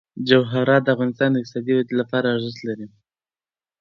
جواهرات د افغانستان د اقتصادي ودې لپاره ارزښت لري.